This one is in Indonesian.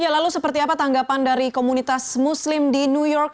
lalu seperti apa tanggapan dari komunitas muslim di new york